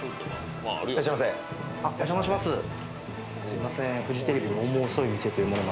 すいません。